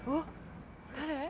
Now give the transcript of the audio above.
誰？